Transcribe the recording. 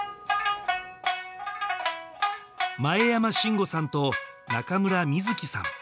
前山真吾さんと中村瑞希さん